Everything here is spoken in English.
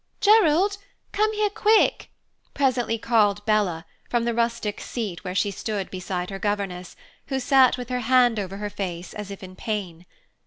"Gerald, come here, quick!" presently called Bella, from the rustic seat where she stood beside her governess, who sat with her hand over her face as if in pain.